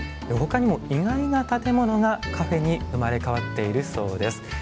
ほかにも意外な建物がカフェに生まれ変わっているそうです。